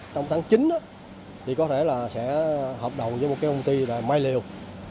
trong tháng chín có thể sẽ hợp đồng với một công ty là mai liều